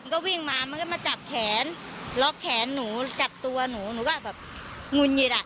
ก็วิ่งมามันก็มาจับแขนล็อกแขนหนูจับตัวหนูหนูก็แบบงุนหยิดอ่ะ